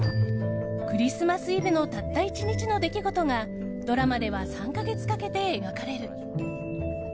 クリスマスイブのたった１日の出来事がドラマでは３か月かけて描かれる。